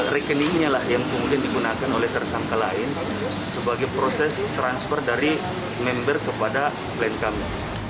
rekeningnya lah yang kemudian digunakan oleh tersangka lain sebagai proses transfer dari member kepada klien kami